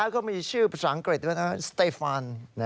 ก็มีชื่อภาษาอังกฤษสเตฟาน